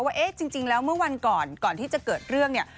ว่าเอ๊ะจริงแล้วเมื่อวันก่อนก่อนที่จะเกิดเรื่องเนี่ย